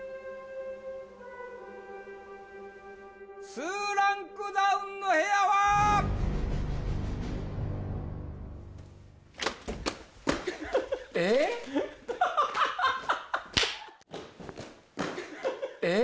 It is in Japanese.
２ランクダウンの部屋はははははっ